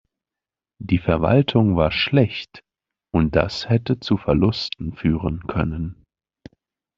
Die Verwaltung war schlecht, und das hätte zu Verlusten führen können.